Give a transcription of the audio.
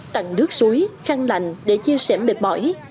tặng nước suối khăn lạnh để chia sẻ mệt mỏi